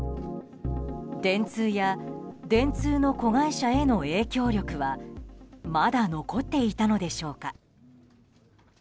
電通や電通の子会社への影響力はまだ残っていたのでしょうか。